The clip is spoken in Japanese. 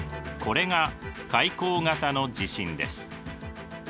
これが海溝型の地震です。